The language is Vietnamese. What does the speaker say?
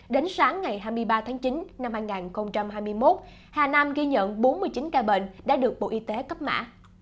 đến sáng ngày hai mươi ba tháng chín năm hai nghìn hai mươi một hà nam ghi nhận bốn mươi chín ca bệnh đã được bộ y tế cấp mã